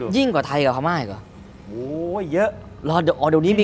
ยิ่งกว่าไทยกับพม่าอีกเหรอโอ้ยเยอะรอเดี๋ยวอ๋อเดี๋ยวนี้มี